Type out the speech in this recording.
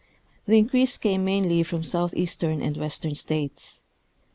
The increase came mainly froin southeastern and western states.